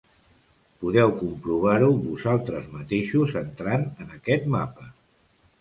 Podeu comprovar-ho vosaltres mateixos entrant en aquest mapa.